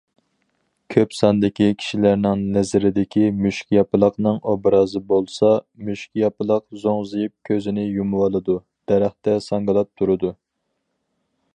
كۆپ ساندىكى كىشىلەرنىڭ نەزىرىدىكى مۈشۈكياپىلاقنىڭ ئوبرازى بولسا، مۈشۈكياپىلاق زوڭزىيىپ كۆزىنى يۇمۇۋالىدۇ، دەرەختە ساڭگىلاپ تۇرىدۇ.